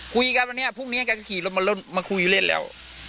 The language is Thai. คุยกันวันนี้พรุ่งนี้แกก็ขี่รถมาคุยเล่นแล้ว